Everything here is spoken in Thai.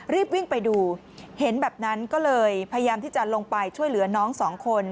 รีบวิ่งไปดูเห็นแบบนั้นก็เลยพยายามที่จะลงไปช่วยเหลือน้องสองคน